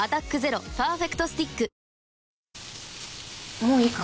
もういいか？